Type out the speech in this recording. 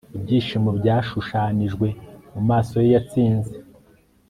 ibyishimo byashushanijwe mumaso ye yatsinze